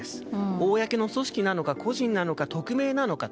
公の組織なのか個人なのか、匿名なのか。